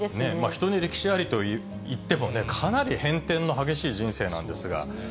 人に歴史ありといっても、かなり変転の激しい人生なんですが。